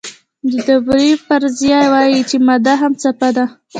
د دوبروی فرضیه وایي چې ماده هم څپه ده.